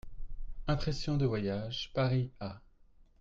=Impressions de voyage.= Paris, A.